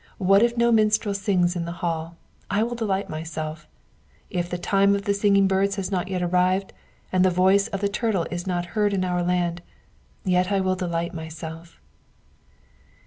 What if no minstrel sings in the hail, I will delight myseliT If the time of the singing of birds has not yet arrived, and the voice of the turtle is not heaid in our land, yet I will delight myself."